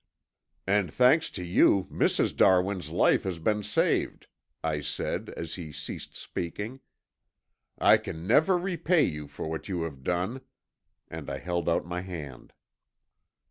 "And thanks to you, Mrs. Darwin's life has been saved," I said, as he ceased speaking. "I can never repay you for what you have done," and I held out my hand.